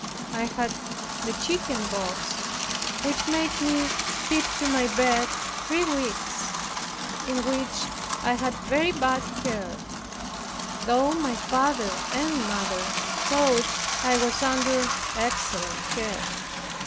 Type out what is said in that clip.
I had the chickenpox, which made me keep to my bed three weeks, in which I had very bad care, though my father and mother thought I was under excellent care.